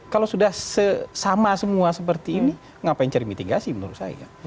kalau sudah sama semua seperti ini ngapain cari mitigasi menurut saya